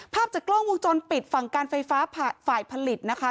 ภาพจากกล้องวงจรปิดฝั่งการไฟฟ้าฝ่ายผลิตนะคะ